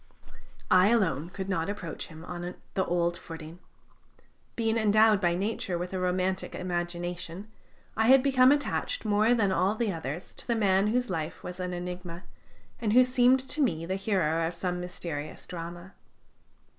I alone could not approach him on the old footing. Being endowed by nature with a romantic imagination, I had become attached more than all the others to the man whose life was an enigma, and who seemed to me the hero of some mysterious drama.